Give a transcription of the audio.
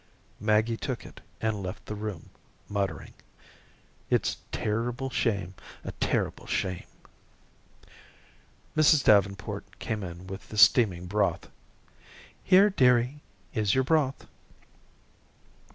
Maggie took it and left the room, muttering: "It's a ter'ble shame, a ter'ble shame." Mrs. Davenport came in with the steaming broth. "Here, dearie, is your broth."